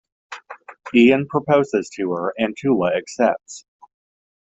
Ian proposes to her, and Toula accepts.